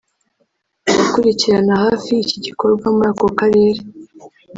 Abakurikiranira hafi icyi gikorwa muri ako karere